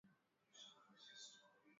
ee na kuwa sio mpango wa mungu kwa mfano